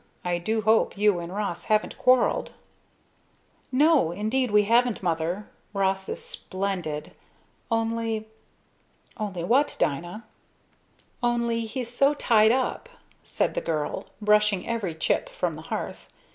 I do hope you and Ross haven't quarrelled." "No indeed we haven't, Mother. Ross is splendid. Only " "Only what, Dinah?" "Only he's so tied up!" said the girl, brushing every chip from the hearth.